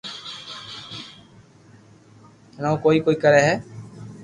جڻي او ڪوئي ڪوئي ڪري ھي